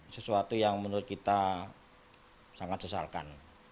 sesuatu yang menurut kita sangat sesalkan